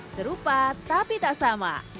serupa tapi tak sama